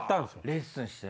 レッスンして。